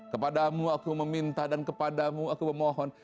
kepadamu aku meminta dan kepadamu aku memohon